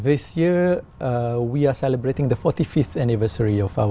thời gian nay chúng tôi đang kết thúc tuần bốn mươi năm của liên hệ biên hợp